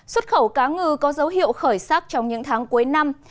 xuất khẩu cá ngừ có dấu hiệu khởi sắc trong những tháng cuối năm